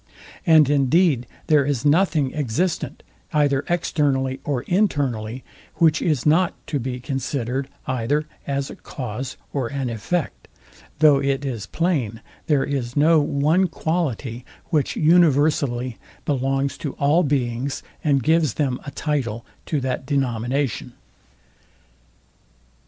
And indeed there is nothing existent, either externally or internally, which is not to be considered either as a cause or an effect; though it is plain there is no one quality, which universally belongs to all beings, and gives them a title to that denomination.